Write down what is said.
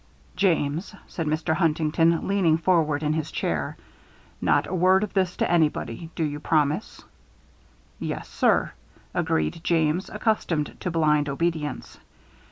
"James," said Mr. Huntington, leaning forward in his chair, "not a word of this to anybody do you promise!" "Yes, sir," agreed James, accustomed to blind obedience.